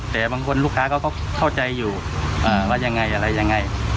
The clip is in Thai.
แต่บางคนลูกค้าเขาก็เข้าใจอยู่ว่ายังไงอะไรยังไง